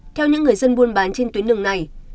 theo những người dân buôn bán trên tuyến đường này